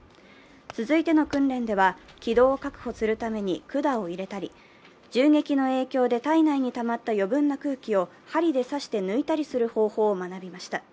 続いての訓練では気道を確保するために管を入れたり銃撃の影響で体内にたまった余分な空気を針で刺して抜いたりする方法を学びました。